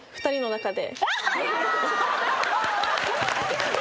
やだ。